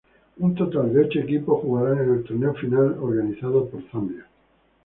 Un total de ocho equipos jugarán en el torneo final, organizado por Zambia.